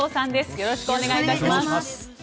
よろしくお願いします。